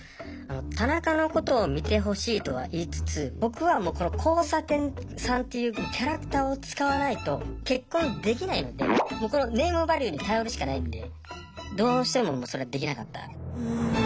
田中のことを見てほしいとは言いつつ僕はもうこの交差点さんというキャラクターを使わないと結婚できないのでもうこのネームバリューに頼るしかないんでどうしてもそれはできなかった。